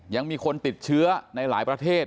ยังมีคนติดเชื้อในหลายประเทศ